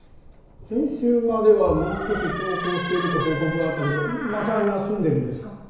先週まではもう少し登校してると報告があったけどまた休んでるんですか？